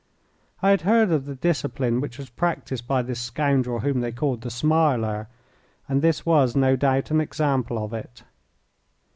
I had heard of the discipline which was practised by this scoundrel whom they called "The Smiler," and this, no doubt, was an example of it.